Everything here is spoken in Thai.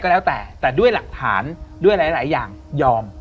แล้วแต่แต่ด้วยหลักฐานด้วยหลายอย่างยอม